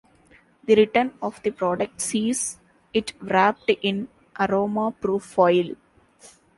The return of the product sees it wrapped in aroma proof foil.